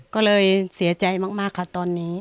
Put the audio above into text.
ก็เลยเสียใจมากค่ะตอนนี้